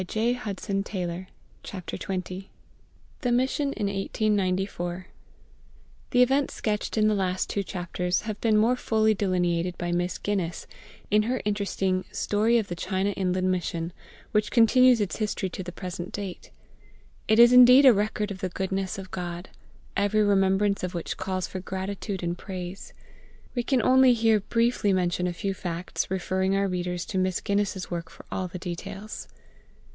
CHAPTER XX THE MISSION IN 1894 THE events sketched in the last two chapters have been more fully delineated by Miss Guinness in her interesting Story of the China Inland Mission, which continues its history to the present date. It is indeed a record of the goodness of GOD, every remembrance of which calls for gratitude and praise. We can only here briefly mention a few facts, referring our readers to Miss Guinness's work for all details.